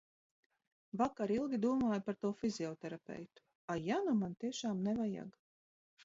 Vakar ilgi domāju par to fizioterapeitu. A, ja nu man tiešām nevajag?